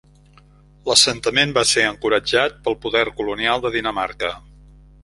L'assentament va ser encoratjat pel poder colonial de Dinamarca.